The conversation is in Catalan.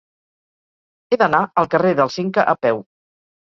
He d'anar al carrer del Cinca a peu.